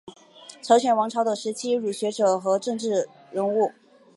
朝鲜王朝的时期儒学者和政治人物。